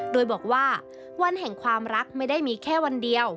โดยบอกว่าวันแห่งความรักไม่ได้มีแค่วันเดียว